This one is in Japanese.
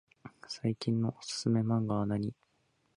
トマトが高い。